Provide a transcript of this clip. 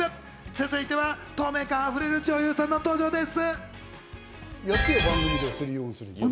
続いては透明感あふれる女優さんの登場です。